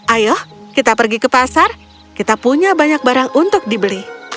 ayo kita pergi ke pasar kita punya banyak barang untuk dibeli